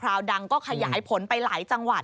ดังก็ขยายผลไปหลายจังหวัด